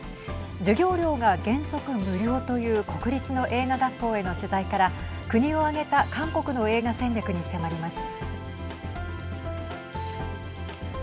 授業料が原則、無料という国立の映画学校への取材から国を挙げた韓国の映画戦略に迫ります。